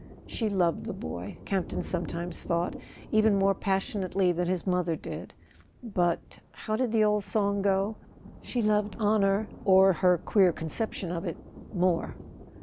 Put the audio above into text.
She loved the boy, Campton sometimes thought, even more passionately than his mother did; but—how did the old song go ?—she loved honour, or her queer conception of it, more.